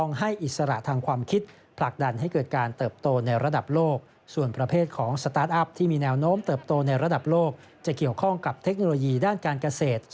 ไม่แค่ในไทยแต่การเปลี่ยนชีวิตโลกาลีและมันก็จะเป็นที่นี่